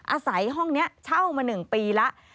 อาศัยห้องนี้เช่ามา๑ปีแล้ว